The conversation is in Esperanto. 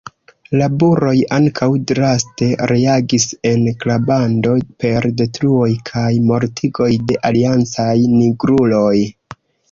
La buroj ankaŭ draste reagis en Kablando per detruoj kaj mortigoj de aliancaj nigruloj.